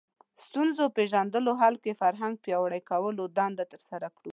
ستونزو پېژندلو حل کې فرهنګ پیاوړي کولو دنده ترسره کړو